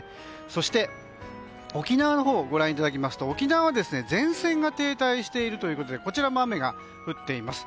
そして沖縄をご覧いただきますと前線が停滞しているということでこちらも雨が降っています。